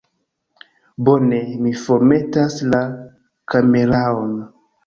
Bone, mi formetas la kameraon